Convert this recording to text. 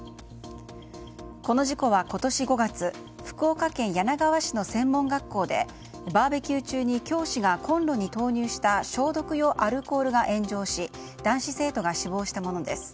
この事故は今年５月福岡県柳川市の専門学校でバーベキュー中に教師がコンロに投入した消毒用アルコールが炎上し男子生徒が死亡したものです。